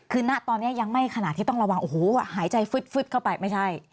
คือณตอนนี้ยังไม่ขนาดที่ต้องระวังโอ้โหหายใจฟึดเข้าไปไม่ใช่